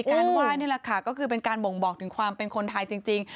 การไหว้นี่แหละค่ะก็คือเป็นการบ่งบอกถึงความเป็นคนไทยจริง